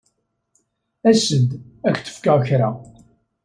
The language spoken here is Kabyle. As-d, ad ak-d-fkeɣ kra.